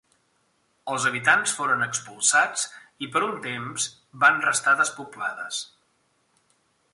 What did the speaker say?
Els habitants foren expulsats i per un temps van restar despoblades.